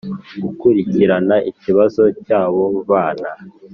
gukurikirana ikibazo cy abo bana